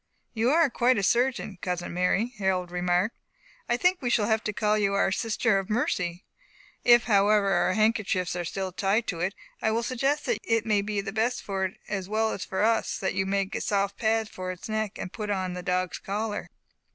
"You are quite a surgeon, cousin Mary," Harold remarked. "I think we shall have to call you our 'Sister of Mercy.' If, however, our handkerchiefs are still tied to it, I will suggest that it may be best for it, as well as for us, that you make a soft pad for its neck, and put on the dog's collar."